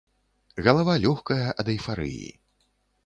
Галава лёгкая ад эйфарыі.